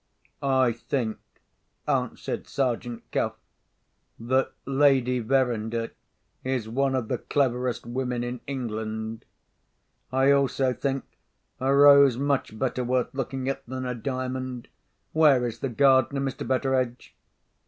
"I think," answered Sergeant Cuff, "that Lady Verinder is one of the cleverest women in England. I also think a rose much better worth looking at than a diamond. Where is the gardener, Mr. Betteredge?"